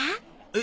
え？